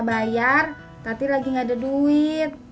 bayar tapi lagi gak ada duit